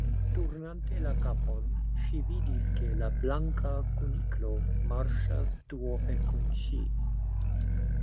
Turnante la kapon, ŝi vidis ke la Blanka Kuniklo marŝas duope kun ŝi.